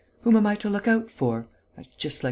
Whom am I to look out for?... That's just like M.